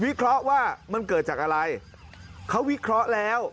เคราะห์ว่ามันเกิดจากอะไรเขาวิเคราะห์แล้ว